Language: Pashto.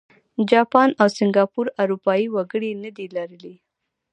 جاپان او سینګاپور اروپايي وګړي نه دي لرلي.